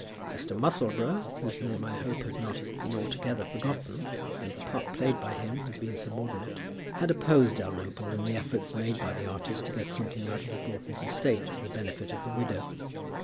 Mr. Musselboro, whose name I hope has not been altogether forgotten, though the part played by him has been subordinate, had opposed Dalrymple in the efforts made by the artist to get something out of Broughton's estate for the benefit of the widow.